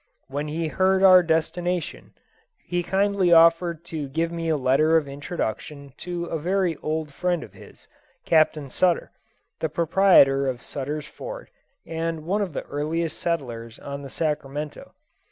When he heard our destination he kindly offered to give me a letter of introduction to a very old friend of his, Captain Sutter, the proprietor of Sutter's fort, and one of the earliest settlers on the Sacramento.